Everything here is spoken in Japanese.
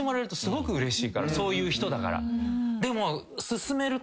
そういう人だから。